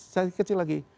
saya kecil lagi